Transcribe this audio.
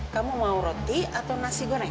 kamu mau roti atau nasi goreng